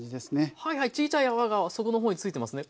はいはいちいちゃい泡が底のほうについてますね。